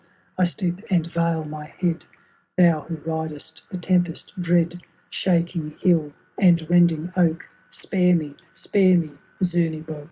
I stoop and veil my head ; Thou who ridest the tempest dread. Shaking hill and rending oak — Spare me ! spare me ! Zemebock.